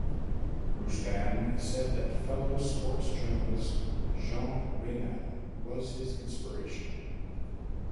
Roustan said that fellow sports journalist Jean Raynal was his inspiration.